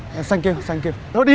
nhưng đừng thay đổi